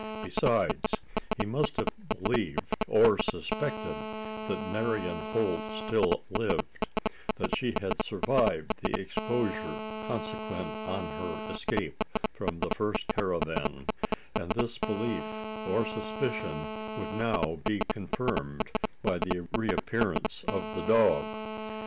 Besides, he must have believed or suspected, that Marian Holt still lived; that she had survived the exposure consequent on her escape from the first caravan; and this belief or suspicion would now be confirmed by the reappearance of the dog.